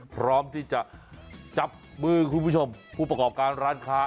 พร้อมที่จะจับมือคุณผู้ชมผู้ประกอบการร้านค้า